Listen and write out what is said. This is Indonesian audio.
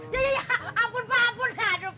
ya ya ya ampun pak ampun